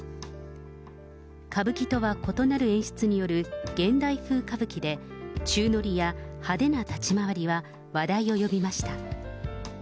歌舞伎とは異なる演出による現代風歌舞伎で、宙乗りや派手な立ち回りは話題を呼びました。